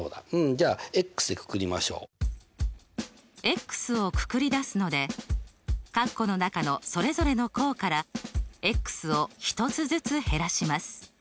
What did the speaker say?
じゃあでくくりましょう。をくくり出すのでカッコの中のそれぞれの項からを１つずつ減らします。